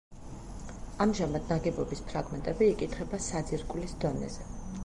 ამჟამად ნაგებობის ფრაგმენტები იკითხება საძირკვლის დონეზე.